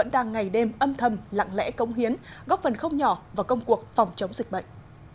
thâm thâm lặng lẽ công hiến góp phần không nhỏ vào công cuộc phòng chống dịch bệnh